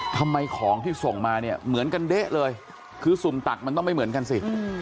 ทำไมของที่ส่งมาเนี่ยเหมือนกันเด๊ะเลยคือสุ่มตักมันต้องไม่เหมือนกันสิ